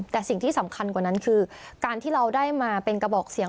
แต่สิ่งที่สำคัญกว่านั้นคือการที่เราได้มาเป็นกระบอกเสียง